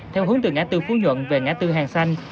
theo hướng từ ngã tư phú nhuận về ngã tư hàng xanh